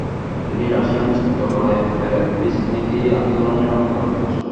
তিনি রাশিয়ান চিত্রকলায় পেরেদভিঝনিকি আন্দোলনের অন্যতম সদস্য।